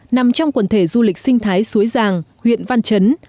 nằm trong quần thể du lịch sinh thái suối giàng huyện văn chấn